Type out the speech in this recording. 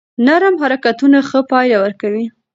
نرم حرکتونه ښه پایله ورکوي.